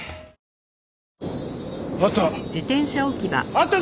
あった。